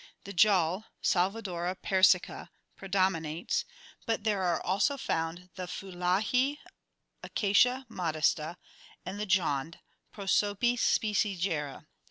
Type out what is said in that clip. The jal (Salvadora Persica) predominates, but there are also found the phulahi (Acacia modesta) and the jand (Prosopis spicigera).